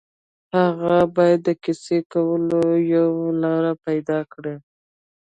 هغه باید د کیسې کولو یوه لاره پيدا کړي